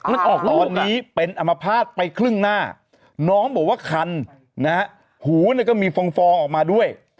มันออกตอนนี้เป็นอมภาษณ์ไปครึ่งหน้าน้องบอกว่าคันนะฮะหูเนี่ยก็มีฟองออกมาด้วย